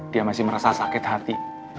dia masih merasa sakit hati